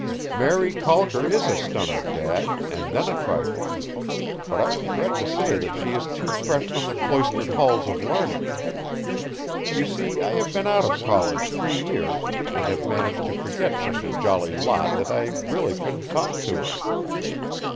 "Mary Calker is a stunner, dad, and then a trifle. But I regret to say that she is too fresh from the cloistered halls of learning. You see I have been out of college three years and have managed to forget such a jolly lot that I really couldn't talk to her.